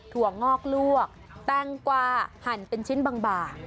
วงอกลวกแตงกวาหั่นเป็นชิ้นบาง